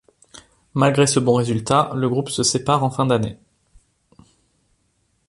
Malgré ce bon résultat, le groupe se sépare en fin d'année.